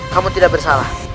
kamu tidak bersalah